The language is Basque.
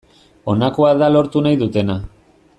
Honakoa da lortu nahi dutena.